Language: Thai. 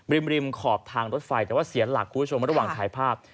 ริมริมขอบทางรถไฟแต่ว่าเสียหลักคุณผู้ชมระหว่างถ่ายภาพ